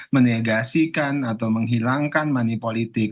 menegasikan atau menghilangkan money politik